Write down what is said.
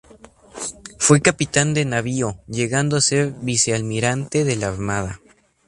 Fue Capitán de Navío, llegando a ser vicealmirante de la Armada.